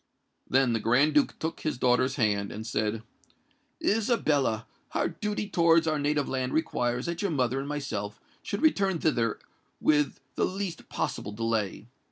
Then the Grand Duke took his daughter's hand, and said, "Isabella, our duty towards our native land requires that your mother and myself should return thither with the least possible delay.